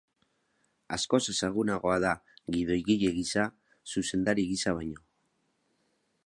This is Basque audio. Askoz ezagunagoa da gidoigile gisa zuzendari gisa baino.